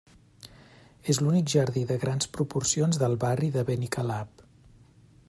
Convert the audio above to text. És l'únic jardí de grans proporcions del barri de Benicalap.